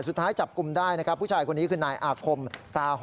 สุดท้ายจับกลุ่มได้นะครับผู้ชายคนนี้คือนายอาคมตาห่อ